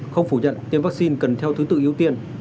không phủ nhận tiêm vaccine cần theo thứ tự ưu tiên